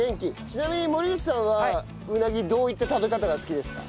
ちなみに森口さんはうなぎどういった食べ方が好きですか？